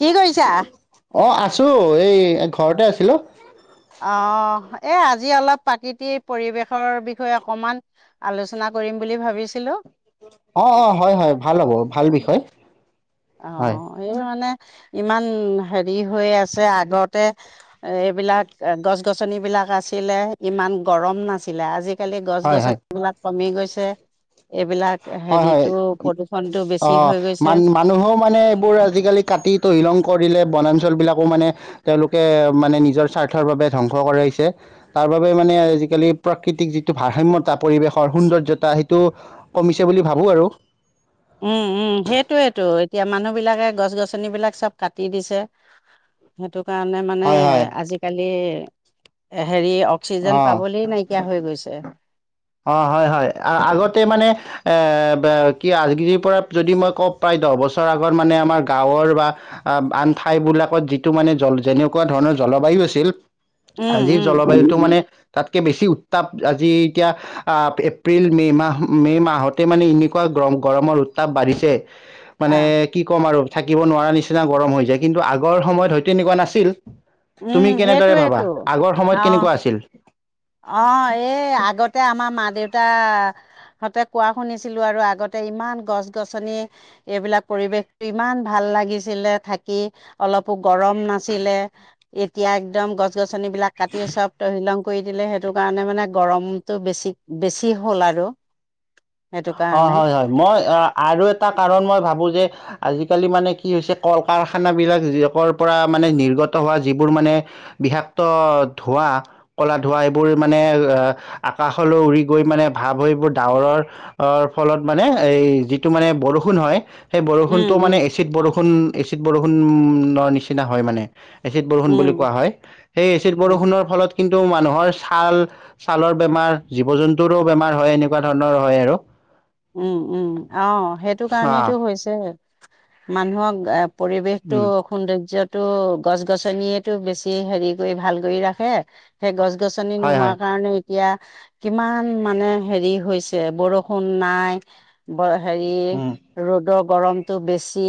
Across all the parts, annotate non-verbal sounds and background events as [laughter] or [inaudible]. কি কৰিছা? অ আছো এই ঘৰতে আছিলো অ', এই আজি অলপ প্ৰাকৃতিৰ পৰিৱেশৰ বিষয়ে অকমান আলোচনা কৰিম বুলি ভাবিছিলো অ অ হয় হয় ভাল হ'ব ভাল বিষয় অ হয় এইৰ মানে ইমান হেৰি হৈ আছে আগতে এইবিলাক গছ গছনি বিলাক আছিলে ইমান গৰম নাছিলে আজি আজিকালি গছ হয় হয় গছনিবিলাক কমি গৈছে এইবিলাক হয় হয় হেৰিটো প্ৰদূষণটো অ বেছি হৈ গৈছে মান মানুহও মানে এইবোৰ আজিকালি কাটি তহিলং কৰিলে বনাঞ্চল বিলাকো মানে তেওঁলোকে মানে নিজৰ স্বাৰ্থৰ বাবে ধ্বংস কৰাইছে তাৰ বাবে মানে আজিকালি প্ৰাকৃতিক যিটো ভাৰসাম্যতাৰ পৰিৱেশৰ সুন্দৰ্য্যতা সেইটো কমিছে বুলি ভাবোঁ আৰু উম উম সেইটোয়েতো এতিয়া মানুহ বিলাকে গছ গছনি বিলাক চব কাটি দিছে সেইটো কাৰণে মানে হয় হয় আজিকালি এ হেৰি অক্সিজেন অ পাবলে নাইকিয়া হৈ গৈছে অ হয় হয় আ আগতে মানে এ বে কি আজিৰ পৰা যদি মই কওক প্ৰায় দহ বছৰ আগত মানে আমাৰ গাঁৱৰ বা আন ঠাইবিলাকত যিটো মানে জন যেনেকুৱা ধৰণৰ জলবায়ু আছিল উম আজিৰ উম। জলবায়ুতটো মানে তাতকে বেছি উত তাত আজি এতিয়া আ এপ্ৰিল মে' মাহ মে' মাহতে মানে এনেকুৱা গৰম গৰমৰ উত্তাপ বাঢ়িছে মানে আহ কি কম আৰু থাকিব নোৱাৰা নিচি নিচিনা গৰম হৈ যায় কিন্তু আগৰ সময়ত হয়তো এনেকুৱা নাছিল উম তুমি কেনেদৰে ভাবা সেইটোৱেইটো আগৰ অ সময়ত কেনেকুৱা আছিল অ এই আগতে তে আমাৰ মা দেউতাহঁতে কোৱা শুনিছিলোঁ আৰু আগতে ইমান গছ গছনি এইবিলাক পৰিৱেশ ইমান ভাল লাগিছিলে থাকি অলপো গ গৰম নাছিলে এতিয়া একদম গছ গছ গছনি বিলাক কাটিয়ে চব তহিলং কৰি দিলে সেইটো কাৰণে মানে গৰমটো বেছি বেছি হ'ল আৰু সেইটো অ কাৰণে হয় হয় মই আৰু এটা কাৰণ মই ভাবো যে আজি আজিকালি মানে কি হৈছে কল কাৰখানা বিলা কৰ পৰা মানে নিৰ্গত হোৱা যিবোৰ মানে বিষাক্ত ধোঁৱা কলা ধোঁৱা সেইবোৰ মানে এহ আকাশলৈ উৰি গৈ মানে ভাৱ হৈ বোৰ ডাৱৰৰ অ ফলত মানে এই যিটো মানে বৰষুণ হয় সেই উম বৰষুণটো উম মানে এচিড বৰষুণ এচিড বৰষুণ ও ণৰ নিচিনা হয় মানে এচিড বৰষুণ উম বুলি কোৱা হয় সেই এচিড উম। বৰষুণৰ ফলত কিন্তু টো মানুহৰ ছাল ছালৰ বেমাৰ জীৱ জন্তুৰো বেমাৰ হয় এনেকুৱা ধৰণৰ হয় আৰু উম উম অ সেইটো কাৰণেটো অ', হৈছে মানুহক পৰিৱেশটো উম, সৌন্দৰ্য তহ গছ -গছনিয়েটো বেছি হেৰি কৰি ভাল কৰি ৰাখে সেই গছ -গছনি হয়, হয়, নোহোৱাৰ কাৰণে এতিয়া কিমান মানে হেৰি হৈছে বৰষুণ নাই হেৰি উম, ৰ'দক গৰমটো বেছি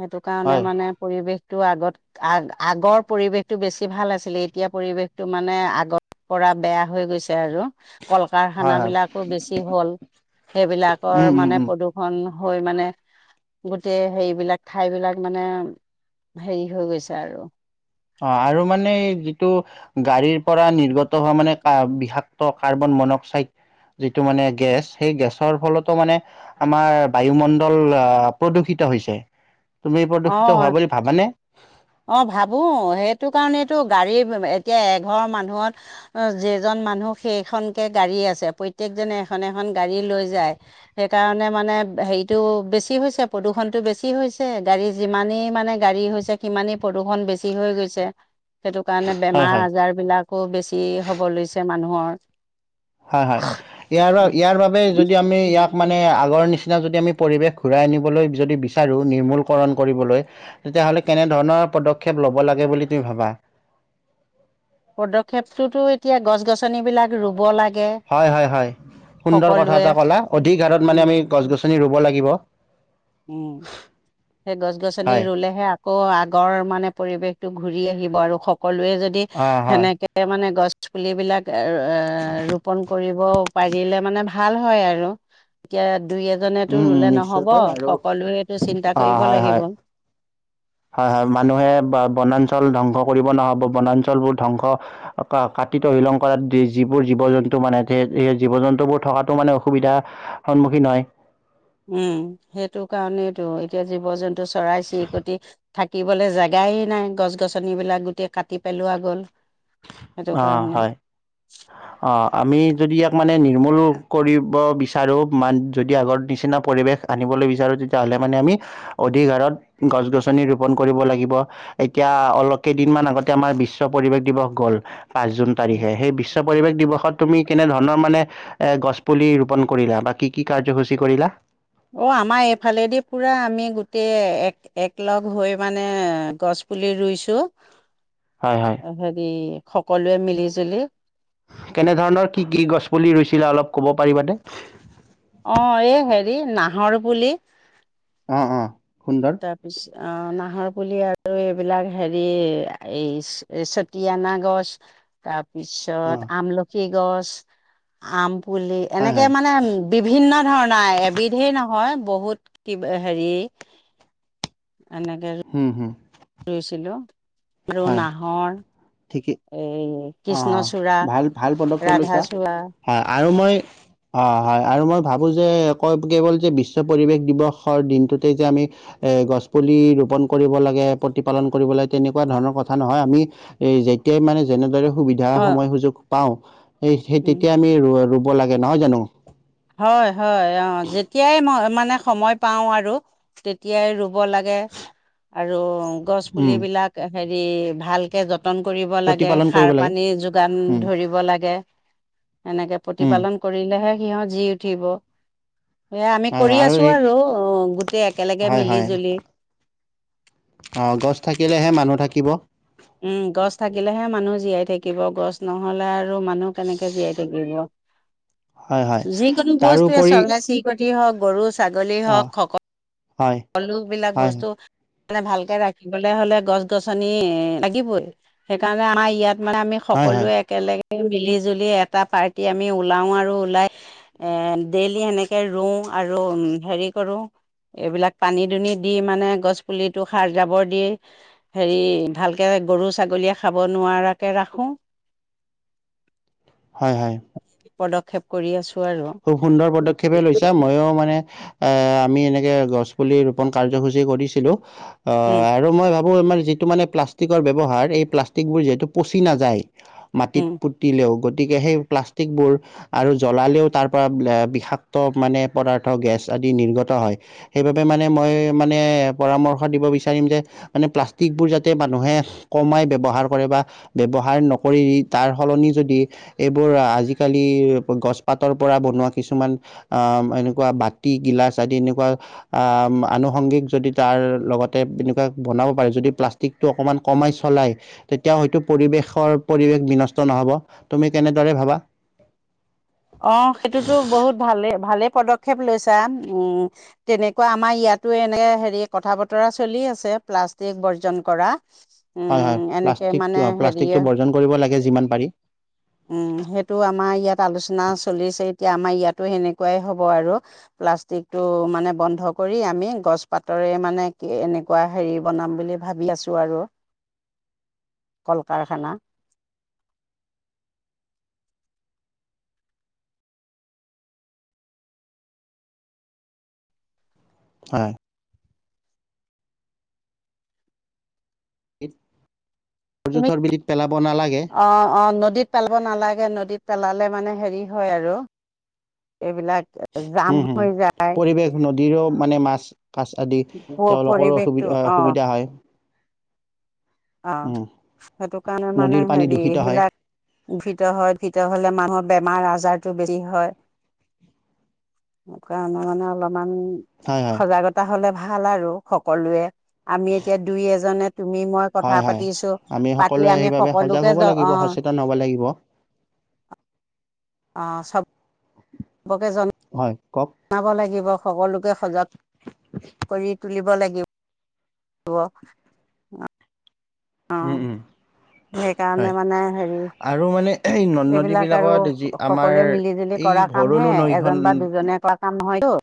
সেইটো কাৰণে হয়, মানে পৰিৱেশ তো আগত আগৰ আগৰ পৰিৱেশটো বেছি ভাল আছিলে এতিয়া পৰিৱেশটো মানে আগৰ পৰা বেয়া হৈ গৈছে আৰু কল হয়, -কাৰখানা হয়, বিলাকো বেছি হ'ল। উম, সেইবিলাকৰ উম, মানে উম। প্ৰদূষণ হৈ মানে গোটেই হেৰিবিলাক ঠাই বিলাক মানে হেৰি হৈ গৈছে আৰু অহ আৰু মানে যিটো গাড়ীৰ পৰা নিৰ্গত তহ হোৱা মানে কাম বিষাক্ত তহ কাৰ্বন- মন-অক্সাইড যিটো মানে গেছ সেই গেছৰ ফলতো মানে আমাৰ বায়ুমণ্ডল অহ প্ৰদূষিত হৈছে। তুমি প্ৰদূষিত হোৱা অহ বুলি ভাবানে? অহ ভাবো সেই সেইটো কাৰণেতো গাড়ী এতিয়া এঘৰ মানুহত যেইজন মানুহ সেইখনকৈ গাড়ী আছে প্ৰত্যেকজনে এখন এখন গাড়ী লৈ যায় সেইকাৰণে মানে হেৰিটো বেছি হৈছে, প্ৰদূষণটো বেছি হৈছে। গাড়ী যিমানেই মানে গাড়ী হৈছে সিমানেই প্ৰদূষণ বেছি হৈ গৈছে। সেইটো কাৰণে হয়, বেমাৰ হয়, আজাৰ বিলাকো বেছি হ'ব লৈছে মানুহৰ [unintelligible] হয় হয় ইয়াৰ ইয়াৰ বাবে যদি আমি ইয়াক মানে আগৰ নিচিনা যদি আমি পৰিৱেশ ঘূৰাই আনিবলৈ যদি বিচাৰো নিৰ্মূলকৰণ কৰিবলৈ, তেতিয়াহ'লে কেনেধৰণৰ পদক্ষেপ ল'ব লাগে বুলি তুমি ভাবা? পদক্ষেপটোতো এতিয়া গছ- গছনিবিলাক ৰু'ব লাগে হয় হয় হয় সুন্দৰ কথা সকলোৱে এটা কলা অধিক হাৰত মানে উম আমি গছ-গছ ৰুব লাগিব। উম সেই গছ -গছনি হয় ৰুলেহে আকৌ আগৰ মানে পৰিৱেশটো ঘূৰি আহিব আৰু সকলোৱে যদি অ হয় সেনেকে মানে গছ পুলিবিলাক এহ এহ ৰোপন কৰিব পাৰিলে মানে ভাল হয়, আৰু কিয় দুই এজনতো উম উম ৰুলে ন'হব। নিশ্চয়কৈ আৰু সকলোৱেটো চিন্তা অ কৰিব হয় হয় লাগিব। হয়, হয় মানুহে বনাঞ্চল ধ্বংস কৰিব ন'হব বনাঞ্চলবোৰ ধ্বংস কাটি তহিলং কৰাত যিবোৰ জীৱ জন্তু মানে যে, জীৱ জন্তুবোৰ থকাতো মানে অসুবিধা সন্মুখীন হয়। উম, সেইটো কাৰণেইটো এতিয়া জীৱ জন্তু, চৰাই চিৰিকটি থাকিবলৈ জেগায় নাই, গছ গছনিবিলাক গোটেই কাটি পেলোৱা গ'ল। সেইটো অ', হয়, কাৰণে অ', আমি যদি আকৌ। মানে নিৰ্মূল কৰিব বিচাৰোঁ মানে যদি আগৰ নিচিনা পৰিৱেশ আনিবলৈ বিচাৰোঁ, তেতিয়াহ'লে মানে আমি অধিক হাৰত গছ গছনি ৰোপণ কৰিব লাগিব, এতিয়া অলপ কেইদিনমান আগতে আমাৰ বিশ্ব পৰিৱেশ দিৱস গ'ল। পাঁচ জুন তাৰিখে সেই বিশ্ব পৰিৱেশ দিৱসত। তুমি কেনে ধৰণৰ মানে এ গছ পুলি ৰোপন কৰিলা? বা কি কি কাৰ্যসূচী কৰিলা? অ', আমাৰ এইফালেদি পুৰা আমি গোটেই এক এক লগ হৈ মানে গছ পুলি ৰুইছো। হয় হয় হেৰি। সকলোৱে মিলি জুলি। কেনেধৰণৰ কি কি গছপুলি ৰইছিলা? অলপ ক'ব পাৰিবানে? অ', এই হেৰি নাহৰ পুলি। অ', অ। সুন্দৰ তাৰ পিছ আহ না। নাহৰ পুলি আৰু এইবিলাক হেৰি এই চতিয়ানা গছ তাৰ। অ পিছত আমলখি। গছ আম পুলি হয় এনেকে হয় মানে বিভিন্ন ধৰণৰ। এবিধেই নহয়। বহুত কিব হেৰি। এনেকে হুম, হুম। ৰুইছিলো। আৰু নাহৰ। ঠিকেই এই মে। অ ভাল ভাল পদক্ষেপ লৈছা হয়। আৰু মই হয়, আৰু মই ভাবো যে কেৱল যে বিশ্ব পৰিৱেশ দিৱসৰ দিনটোতে যে আমি এ গছ পুলি ৰোপন কৰিব লাগে। প্ৰতিপালন কৰিব লাগে তেনেকুৱা ধৰণৰ কথা নহয়। আমি যেতিয়াই মানে যেনেদৰে। সুবিধা অ', সময় সুযোগ পাওঁ। স সেই উম, তেতিয়া আমি ৰুব লাগে। নহয় জানো। হয় হয় অ যেতিয়াই মই মানে সময় পাওঁ আৰু তেতিয়াই ৰুব লাগে আৰু। গছ উম পুলিবিলাকে। ভালকে যতন। যতন কৰিব লাগে প্ৰতিপালন সাৰ কৰিব লাগে পানী যোগান উম ধৰিব লাগে। এনেকে উম প্ৰতিপালন কৰিলেহে। ইয়াদ। জি উঠিব। হয় কৰি আৰু আছো স অ', গোটেই একেলগে হয় মিলি হয় জুলি, অ গছ থাকিলেহে মানুহ থাকিব। উম গছ থাকিলেহে মানুহ জীয়াই থাকিব। গছ নহলে আৰু মানুহ কেনেকে জীয়াই থাকিব। হয় হয় তাৰ উপৰি হওক গৰু ছাগলী হওক সক হয় সকলো বিলাক হয় হয় বস্তু মানে ভালকে ৰাখিবলে হ'লে গছ-গছনি লাগিবই, সেইকাৰণে আমাৰ ইয়াত মানে আমি হয় হয় সকলোৱে একেলগে মিলি জুলি এটা পাৰ্টি আমি উলাওঁ আৰু ওলাই এ ডেইলি সেনেকে ৰুওঁ আৰু হেৰি কৰোঁ এইবিলাক পানী দুনি দি মানে গছ পুলিটো সাৰ জাবৰ দি হেৰি ভালকে গৰু ছাগলীয়ে খাব নোৱাৰাকৈ ৰাখোঁ। হয় হয়। পদক্ষেপ কৰি আছো খুব সুন্দৰ পদক্ষেপে কৈছা, মইয়ো মানে এ আমি এনেকে গছ পুলি ৰোপন কাৰ্যসূচী কৰিছিলো উম অঁ আৰু মই ভাবো [unintelligible] আমাৰ যিটো মানে প্লাষ্টিকৰ ব্যৱহাৰ এই প্লাষ্টিকবোৰ যিহেতু পচি নাযায় মাটিত উম। পুতিলেও গ গতিকে সেই প্লাষ্টিকবোৰ আৰু জ্বলালেও তাৰ পৰা বিষাক্ত মানে পদাৰ্থ গেছ আদি নিৰ্গত হয় সেইবাবে মানে মই মানে পৰামৰ্শ দিব বিচাৰিম যে মানে প্লাষ্টিকবোৰ যাতে মানুহে কমাই ব্যৱহাৰ কৰে বা ব্যৱহাৰ নকৰি তাৰ সলনি যদি এইবোৰ আজিকালি গছপাত [unintelligible] পৰা বনোৱা কিছুমান এনেকুৱা বাতি গিলাচ আদি এনেকুৱা আনুসংগিক যদি তাৰ লগতে এনেকোৱা বনাব পাৰে য প্লাষ্টিকটো অকমান কমাই চলাই, তেতিয়া হয়টো পৰিবেশৰ পৰিবেশ বিনষ্ট নহ'ব, তুমি কেনেদৰে ভাবা। অঁ সেইটোতো বহুত ভালেই -ভালেই পদক্ষেপ লৈছা উম, তেনেকুৱা আমাৰ ইয়াতো এনেকৈ হেৰি কথা বতৰা চলি আছে প্লাষ্টিক বৰ্জন কৰা। হয় হয় উম এনেকে প্লাষ্টিকটো মানে হেৰিয়ে, প্লাষ্টিকটো বৰ্জন কৰিব লাগে যিমান পাৰি উম সেইটো আমাৰ ইয়াত আলোচনা নাওঁ চলিছে এতিয়া আমাৰ ইয়াতো সেনেকুৱাই হ'ব আৰু প্লাষ্টিকটো মানে বন্ধ কৰি আমি গছ পাতৰে মানে এনেকুৱা হেৰি বনাম বুলি ভাবি আছো আৰু কল কাৰখানা। হয়। [unintelligible] বৰ তুমি জোঁথৰ বিলিত পেলাব নালাগে। অ অ নদীত পেলাব নালাগে, নদীত পেলালে মানে হেৰি হয় আৰু। এইবিলাক জাম হৈ যায়। দী ৰ মানে মাছ কাছ আদি তেওঁলোকৰো পৰিৱেশটো অসুবিধা-অসুবিধা হয়। অঁ উম, সেইটো কাৰণে মানে নদীৰ পানী হেৰি দূষিত হয় সেইবিলাক ভিত হয় ভিত হলে মানুহৰ বেমাৰ আজাৰতটো বেচি হয়, সেইকাৰণে মানে অলপ ইমান হয় হয় সজাগতা হ'লে ভাল ভাল আৰু সকলোৱে আমি এতিয়া দুই এজনে তুমি মই কথা হয় হয়, পাতিছো আমি পাতি সকলোৱে আমি সেইবাবে সজাগ সকলোকে হ'ব জ অ লাগিব সচেতন হ'ব লাগিব। অ চব কে জনা হয় কওক বনাব লাগিব সকলোকে সজাগ কৰি তুলিব লাগিব অহ অ উম উম হয় সেইকাৰণে মানে হেৰি আৰু মানে এই নদ নদী এইবিলাক আৰু বিলাকত যি আমাৰ সকলোৱে মিলি জুলি এই কৰা কামহে ভৰলো এজন বা নৈখন দুজনে কৰা কাম নহয় ত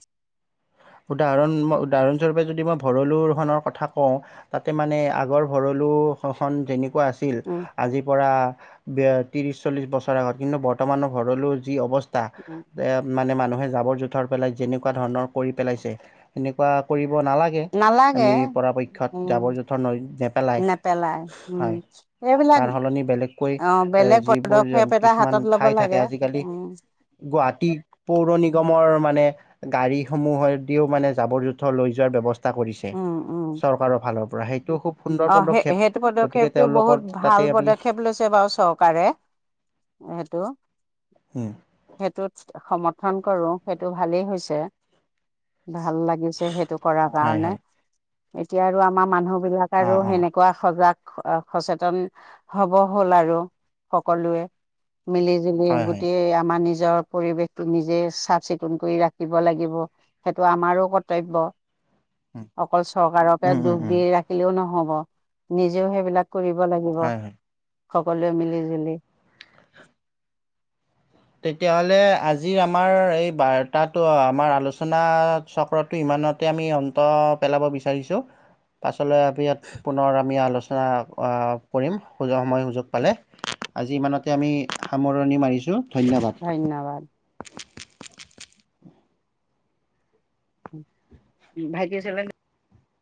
উদাহৰণ মই উদাহৰণস্বৰূপে যদি মই ভৰলোখনৰ কথা কওঁ তাতে মানে আগৰ ভৰলোখন যেনে কোৱা আছিল উম আজিৰ পৰা এতিয়া ত্ৰিশ চল্লিছ বছৰ আগত কিন্তু বৰ্তমানৰ ভৰলো যি অৱস্থা উম থা মানে মানুহে যাবৰ জোথৰ থৰ পেলাই যেনেকোৱা ধৰণৰ কৰি পেলাইছে এনেকোৱা কৰি ব নালাগে নালাগে আমি পৰাপক্ষত উম যাবৰ জোঁথৰ নদীত নেপেলাই নেপেলাই উম হয় এইবিলাক তাৰ সলনি বেলেগকৈ অ বেলেগ যিবোৰ পদক্ষেপ এটা কিছুমান হাতত ল'ব ঠাই থাকে লাগে আজিকালি উম গুৱাহাটী পৌৰ নিগমৰ মানে গাড়ী সমূহেদিও মানে জাবৰ জোঁথৰ লৈ যোৱাৰ ব্যৱস্থা কৰিছে উম উম চৰকাৰৰ ফালৰ পৰা সেইটো খুব সুন্দৰ অ সেই পদক্ষেপ সেইটো গতিকে পদক্ষেপটো তেওঁলোকৰ বহুত ভাল তাতে আমি পদক্ষেপ লৈছে বাৰু চৰকাৰে সেইটো উম সেইটোত সমৰ্থন কৰো সেইটো ভালেই হৈছে ভাল লাগিছে সেইটো কৰাৰ হয় কাৰণে হয় এতিয়া আৰু আমাৰ মানুহ বি অ আৰু অ সেনেকোৱা সজাগ সচেতন হব হল আৰু সকলোৱে মিলি জুলি হয় হয় গোটেই আমাৰ নিচ নিজৰ পৰিৱেশটো নিজে চাফ চিকুণ কৰি ৰাখিব লাগিব সেইটো আমাৰো কৰ্তব্য উম অকল চৰকাৰকে উম উম দুখ দি উম ৰাখি নহব নিজেও সেইবিলাক কৰিব লাগিব হয় হয় সকলোৱে মিলি জুলি তেতিয়াহ'লে আজিৰ আমাৰ এই বাৰ্তাটো আমাৰ আলোচনা চক্ৰটো ইমানতে আমি অন্ত পেলাব বিচাৰিছো পাছলৈ আমি ইয়াত পুনৰ আমি আলোচনা কৰিম সময় সুযোগ পালে আজি ইমানতে আমি সামৰণি মাৰিছোঁ ধন্যবাদ উ ভাইটি চ